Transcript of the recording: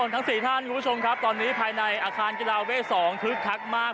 ทั้ง๔ท่านคุณผู้ชมครับตอนนี้ภายในอาคารกีฬาเวท๒คึกคักมาก